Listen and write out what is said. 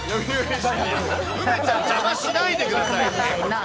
梅ちゃん、邪魔しないでくだ